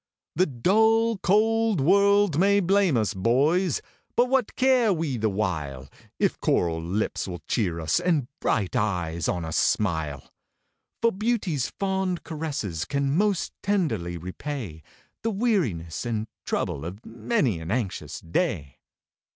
The dull, cold world may blame us, boys! but what care we the while, If coral lips will cheer us, and bright eyes on us smile? For beauty's fond caresses can most tenderly repay The weariness and trouble of many an anxious day.